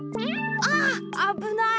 あああぶない！